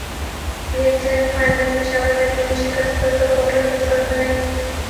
پی S L final Peshawar Zalmi کی شکست پر سپورٹرز افسردہ نہیں